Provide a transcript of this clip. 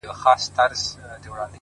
د شرابو خُم پر سر واړوه یاره،